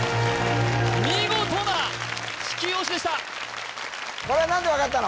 見事な地球押しでしたこれは何で分かったの？